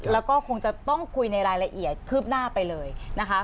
แล้วก็คงจะต้องคุยในรายละเอียดคืบหน้าไปเลยนะคะ